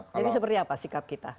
jadi seperti apa sikap kita